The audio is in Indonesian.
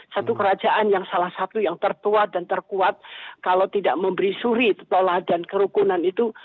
satu kerajaan yang salah satu yang tertua dan terkuat kalau tidak memberi suri tola dan kerukunan itu